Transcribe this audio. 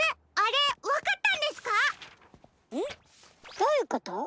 どういうこと。